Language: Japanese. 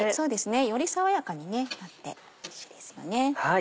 より爽やかになっておいしいですよね。